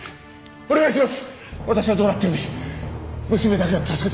お願いします。